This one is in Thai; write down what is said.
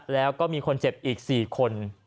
แล้วก็มีคนเจ็บอีก๔คน